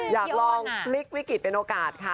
อยากลองพลิกวิกฤตเป็นโอกาสค่ะ